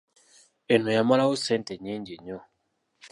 Eno yamalawo ssente nnyingi nnyo.